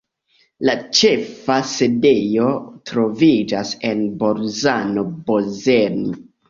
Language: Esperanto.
La ĉefa sidejo troviĝas en Bolzano-Bozen.